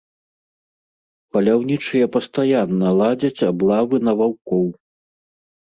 Паляўнічыя пастаянна ладзяць аблавы на ваўкоў.